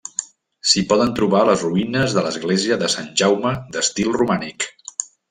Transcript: S'hi poden trobar les ruïnes de l'església de Sant Jaume d'estil romànic.